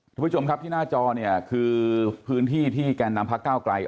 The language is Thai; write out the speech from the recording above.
ทุกผู้ชมครับที่หน้าจอเนี่ยคือพื้นที่ที่แกนนำพระเก้าไกล